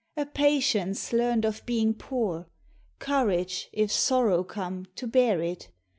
A patience learned of beiug poor; Courage, if sorrow come, to bear it.